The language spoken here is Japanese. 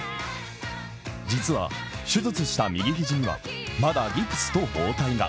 実は手術した右肘には、まだギプスと包帯が。